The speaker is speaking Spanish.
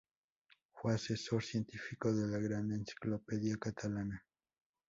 Fue asesor científico de la "Gran Enciclopedia Catalana.